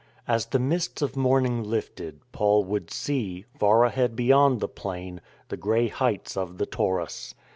As the mists of morning lifted, Paul would see, far ahead beyond the plain, the grey heights of the Taurus.